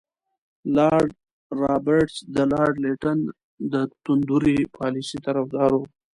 لارډ رابرټس د لارډ لیټن د توندروي پالیسۍ طرفدار وو.